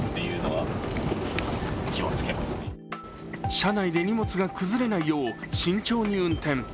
車内で荷物が崩れないよう慎重に運転。